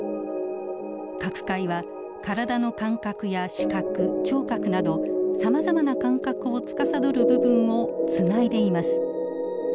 角回は体の感覚や視覚聴覚などさまざまな感覚をつかさどる部分をつないでいます。